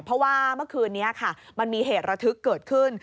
เพราะว่าเมื่อคืนนี้ค่ะมันมีเหตุระทึกเกิดขึ้น